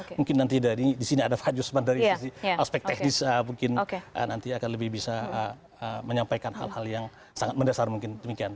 mungkin nanti di sini ada pak jusman dari aspek teknis mungkin nanti akan lebih bisa menyampaikan hal hal yang sangat mendasar mungkin demikian